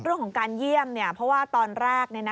เรื่องของการเยี่ยมเพราะว่าตอนแรก